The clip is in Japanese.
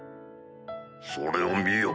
それを見よ。